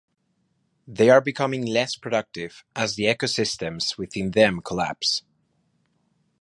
They are becoming less productive as the ecosystems within them collapse.